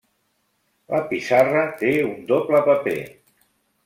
La pissarra té un doble paper.